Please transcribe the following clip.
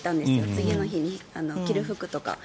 次の日に着る服とか。